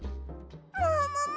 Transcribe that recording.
ももも！